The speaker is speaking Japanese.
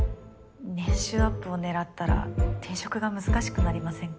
年収アップを狙ったら転職が難しくなりませんか？